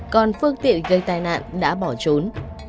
còn phương tiện gây tai nạn đã bỏ trốn